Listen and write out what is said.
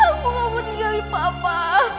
aku mau digali papa